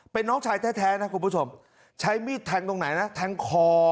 เป็นน้องชายแท้นะคุณผู้ชมใช้มีดแทงตรงไหนนะแทงคอ